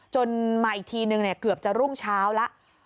มาอีกทีนึงเกือบจะรุ่งเช้าแล้ว